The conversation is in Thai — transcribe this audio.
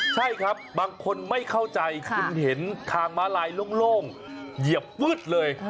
ใช่ครับบางคนไม่เข้าใจคุณเห็นทางม้าลายโล่งเหยียบวึดเลย